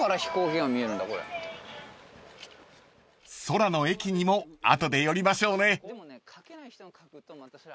［空の駅にも後で寄りましょうね］